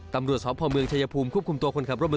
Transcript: ตำรวจสพเมืองชายภูมิควบคุมตัวคนขับรถบน